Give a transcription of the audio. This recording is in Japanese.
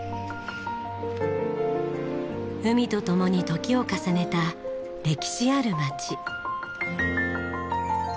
海と共に時を重ねた歴史ある街。